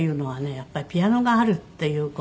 やっぱりピアノがあるっていう事。